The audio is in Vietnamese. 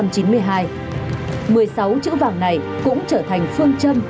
một mươi sáu chữ vàng này cũng trở thành phương châm